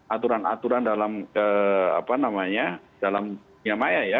aturan aturan dalam apa namanya dalam dunia maya ya